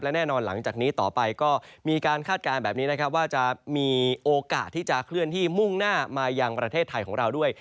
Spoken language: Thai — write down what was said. และแน่นอนหลังจากนี้ต่อไปก็มีการคาดการณ์แบบนี้นะครับว่าจะมีโอกาสที่จะเคลื่อนที่มุ่งหน้ามายังประเทศไทยของเราด้วย